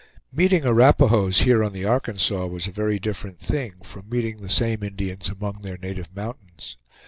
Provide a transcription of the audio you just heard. Meeting Arapahoes here on the Arkansas was a very different thing from meeting the same Indians among their native mountains.